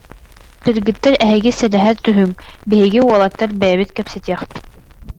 Кыргыттар, эһиги сэлэһэ түһүҥ, биһиги, уолаттар, бэйэбит кэпсэтиэхпит